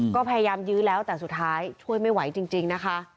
ก็พยายามยื้อแล้วแต่สุดท้ายช่วยไม่ไหวจริงนะคะ